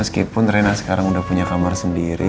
meskipun rena sekarang udah punya kamar sendiri